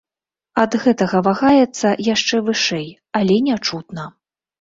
Ад гэтага вагаецца яшчэ вышэй, але нячутна.